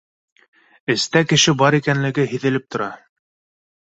Эстә кеше бар икәнлеге һиҙелеп тора